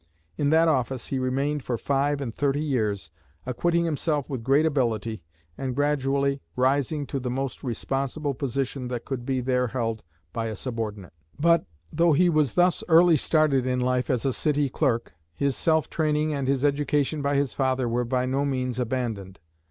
In that office he remained for five and thirty years, acquitting himself with great ability, and gradually rising to the most responsible position that could be there held by a subordinate. But, though he was thus early started in life as a city clerk, his self training and his education by his father were by no means abandoned.